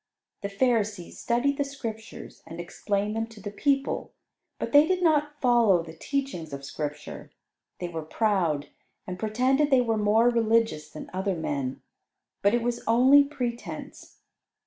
The Pharisees studied the Scriptures and explained them to the people, but they did not follow the teachings of Scripture. They were proud, and pretended they were more religious than other men, but it was only pretense.